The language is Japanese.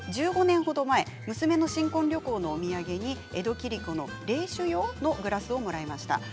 １５年ほど前、娘の新婚旅行のお土産に江戸切子の冷酒用のグラスをもらいました。